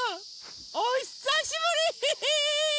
おひさしぶり！